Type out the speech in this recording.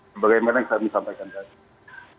sebagai yang saya menyampaikan tadi